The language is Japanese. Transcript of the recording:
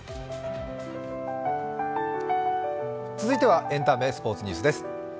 続いてはエンタメ・スポーツニュースです。